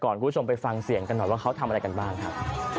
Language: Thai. คุณผู้ชมไปฟังเสียงกันหน่อยว่าเขาทำอะไรกันบ้างครับ